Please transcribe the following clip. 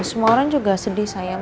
semua orang juga sedih sayang